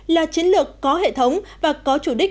là chiến lược có hệ thống và có chủ đích